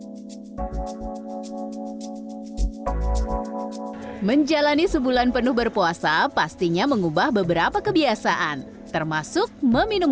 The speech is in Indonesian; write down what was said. hai menjalani sebulan penuh berpuasa pastinya mengubah beberapa kebiasaan termasuk meminum